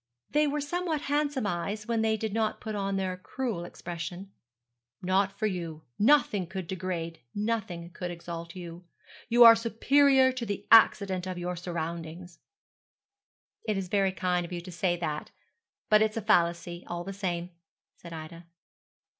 They were somewhat handsome eyes when they did not put on their cruel expression. 'Not for you. Nothing could degrade, nothing could exalt you. You are superior to the accident of your surroundings.' 'It's very kind of you to say that; but it's a fallacy, all the same,' said Ida.